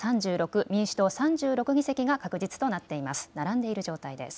３６、民主党３６議席が確実となっています。